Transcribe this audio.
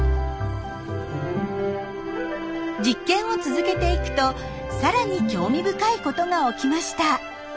実験を続けていくとさらに興味深いことが起きました。